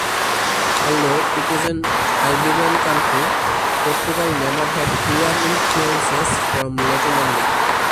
Although it is an Iberian country, Portugal never had clear influences from Latin America.